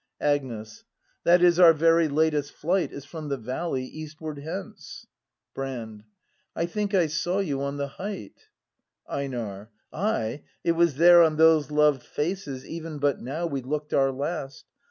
Agnes. That is, our very latest flight Is from the valley, eastward hence. Brand. I think I saw you on the height. EiNAR. Av, it was there on those loved faces Even but now we look'd our last.